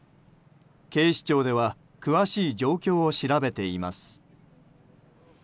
警視庁では詳しい状況を調べています。